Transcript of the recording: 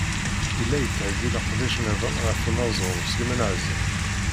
Yella yettheggi leqdic-nniḍen ɣef unaẓur Sliman Ɛazem.